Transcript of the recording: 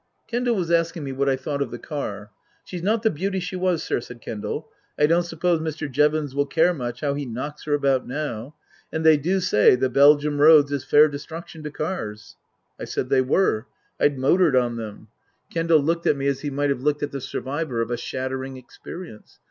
Kendal was asking me what I thought of the car. " She's not the beauty she was, sir," said Kendal. " I don't suppose Mr. Jevons will care much how he knocks her about now. And they do say the Belgium roads is fair destruction to cars." I said they were. I'd motored on them. Kendal 268 Tasker Jevons looked at me as he might have looked at the survivor of a shattering experience.